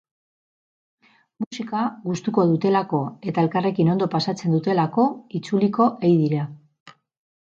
Musika gustuko dutelako eta elkarrekin ondo pasatzen dutelako itzuliko ei dira.